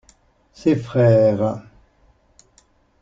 Ses frères.